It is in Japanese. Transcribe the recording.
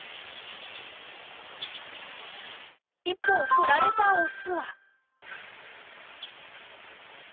一方振られたオスは。